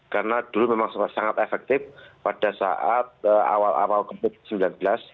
karena dulu memang sangat efektif pada saat awal awal covid sembilan belas